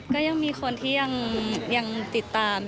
ก็ยังมีคนที่ยังติดตาม